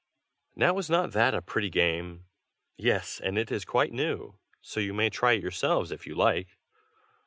Now is not that a pretty game? Yes, and it is quite new, so you may try it yourselves if you like.